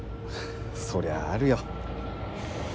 そりゃあるよ。